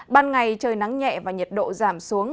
ban ngày trời nắng nhẹ và nhiệt độ giảm xuống